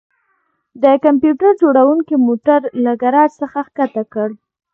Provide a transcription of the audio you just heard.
د کمپیوټر جوړونکي موټر له ګراج څخه ښکته کړ